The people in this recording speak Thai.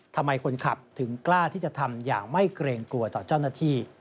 ทำไมคนขับถึงกล้าที่จะทำอย่างไม่เกรงกลัวต่อเจ้าหน้าที่